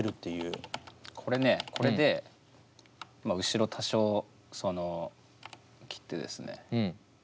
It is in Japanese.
これねこれで後ろ多少切ってですね。